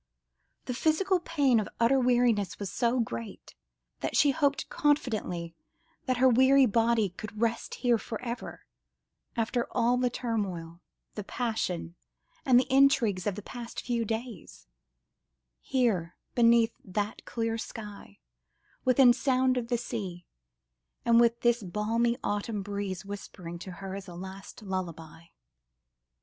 The physical pain of utter weariness was so great, that she hoped confidently her tired body could rest here for ever, after all the turmoil, the passion, and the intrigues of the last few days—here, beneath that clear sky, within sound of the sea, and with this balmy autumn breeze whispering to her a last lullaby.